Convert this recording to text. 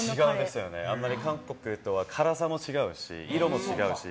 あんまり韓国とは辛さも違うし色も違うし。